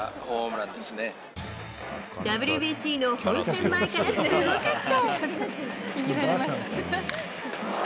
ＷＢＣの本戦前からすごかった。